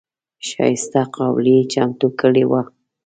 ښایسته قابلي یې چمتو کړې وه.